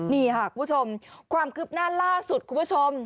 นี่ค่ะคุณผู้ชมความคืบหน้าล่าสุดคุณผู้ชม